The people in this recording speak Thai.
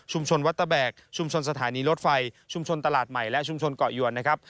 วัดตะแบกชุมชนสถานีรถไฟชุมชนตลาดใหม่และชุมชนเกาะยวนนะครับ